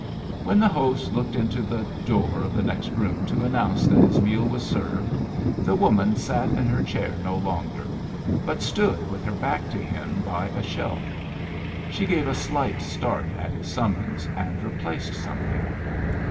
When the host looked into the door of the next room to announce that his meal was served, the woman sat in her chair no longer, but stood with her back to him by a shelf. She gave a slight start at his summons, and replaced something.